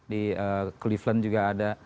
di cleveland juga ada